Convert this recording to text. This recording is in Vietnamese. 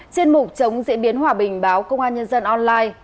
chuyên mục chống diễn biến hòa bình báo công an nhân dân online